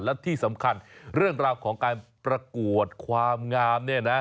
และที่สำคัญเรื่องราวของการประกวดความงามเนี่ยนะ